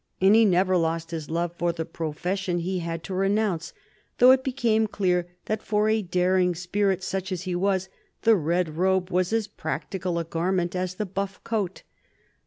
And he never lost his love for the profession he had to renounce, though it became clear that for a daring spirit such as his, the red robe was as practical a garment as the buff coat.